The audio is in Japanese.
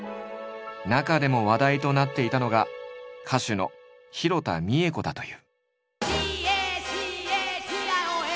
中でも話題となっていたのが歌手の弘田三枝子だという。